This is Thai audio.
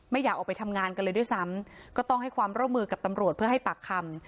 อยากออกไปทำงานกันเลยด้วยซ้ำก็ต้องให้ความร่วมมือกับตำรวจเพื่อให้ปากคำ